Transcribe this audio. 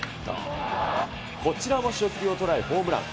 こちらも初球を捉え、ホームラン。